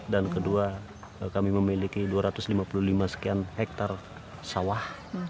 dan kedua kami memiliki dua ratus lima puluh lima sekian hektar sawah